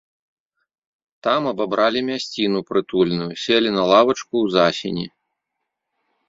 Там абабралі мясціну прытульную, селі на лавачку ў засені.